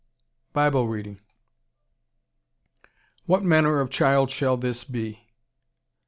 BIBLE READING "What manner of Child shall this be?"